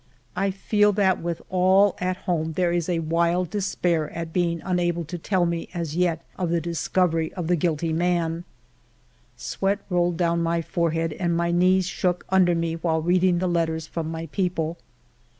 I feel that with all at home there is wild despair at being unable to tell me as yet of the discovery of the guilty man. Sweat rolled down my forehead and my knees shook under me while reading the letters from my people.